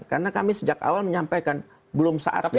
karena kami sejak awal menyampaikan belum saatnya